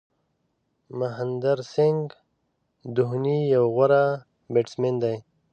مهندر سنگھ دهوني یو غوره بېټسمېن دئ.